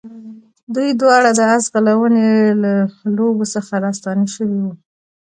دوی دواړه د آس ځغلونې له لوبو څخه راستانه شوي وو.